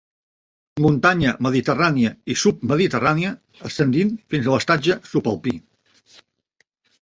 Muntanya mediterrània i submediterrània ascendint fins a l'estatge subalpí.